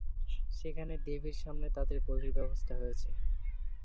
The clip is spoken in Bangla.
সেখানে দেবীর সামনে তাদের বলির ব্যবস্থা হয়েছে।